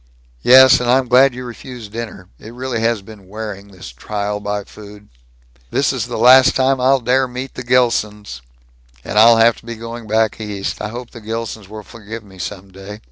"Yes, and I'm glad you refused dinner. It really has been wearing, this trial by food." "This is the last time I'll dare to meet the Gilsons." "And I'll have to be going back East. I hope the Gilsons will forgive me, some day."